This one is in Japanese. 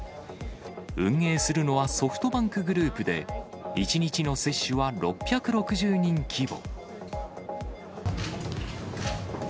運営するのは、ソフトバンクグループで、１日の接種は６６０人規模。